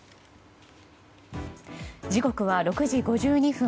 時刻は６時５２分。